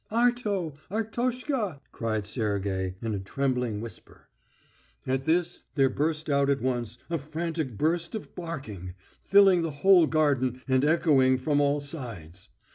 "Arto, Artoshka!" cried Sergey, in a trembling whisper. At this there burst out at once a frantic burst of barking, filling the whole garden and echoing from all sides.